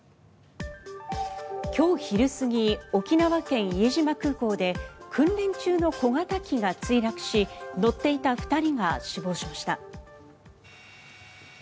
今日昼過ぎ沖縄県・伊江島空港で訓練中の小型機が墜落し乗っていた２人が死亡しました。